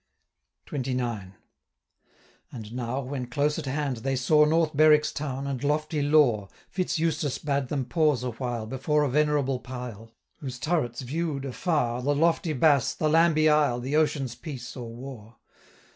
XXIX. And now, when close at hand they saw 835 North Berwick's town, and lofty Law, Fitz Eustace bade them pause a while, Before a venerable pile, Whose turrets view'd, afar, The lofty Bass, the Lambie Isle, 840 The ocean's peace or war.